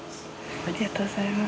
ありがとうございます。